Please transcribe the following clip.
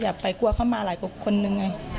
ไปกลัวเขามาหลายกว่าคนนึงไง